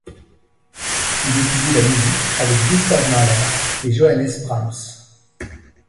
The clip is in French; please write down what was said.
Il étudie la musique avec Gustav Mahler et Johannes Brahms.